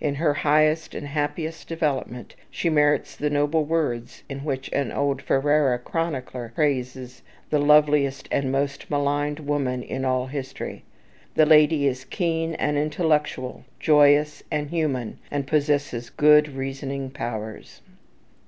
In her highest and happiest development, she merits the noble words in which an old Ferrara chronicler praises the loveliest and the most maligned woman in all history: "The lady is keen and intellectual, joyous and human, and possesses good reasoning powers."